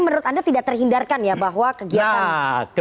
menurut anda tidak terhindarkan ya bahwa kegiatan ini